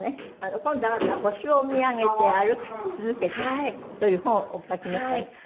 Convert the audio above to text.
今度あなた『星を見上げて歩き続けて』という本をお書きになったんですって？